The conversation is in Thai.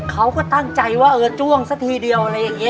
เขาก็ตั้งใจว่าเออจ้วงซะทีเดียวอะไรอย่างนี้